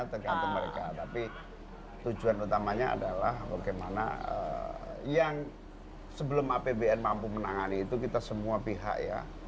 tergantung mereka tapi tujuan utamanya adalah bagaimana yang sebelum apbn mampu menangani itu kita semua pihak ya